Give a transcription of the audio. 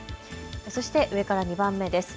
そして上から２番目です。